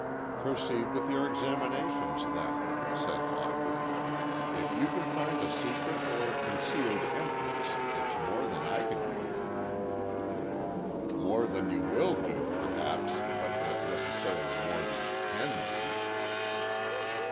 "Proceed with your examinations, then," said Lockwood; "if you can find a secret or concealed entrance, it's more than I can do." "More than you will do, perhaps, but not necessarily more than you can do."